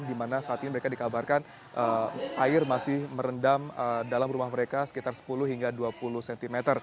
di mana saat ini mereka dikabarkan air masih merendam dalam rumah mereka sekitar sepuluh hingga dua puluh cm